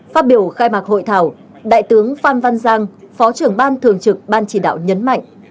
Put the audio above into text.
phát biểu khai mạc hội thảo đại tướng phan văn giang phó trưởng ban thường trực ban chỉ đạo nhấn mạnh